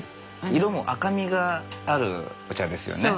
色も赤みがあるお茶ですよね。